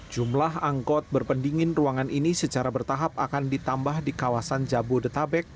jumlah angkot berpendingin ruangan ini secara bertahap akan ditambah di kawasan jabodetabek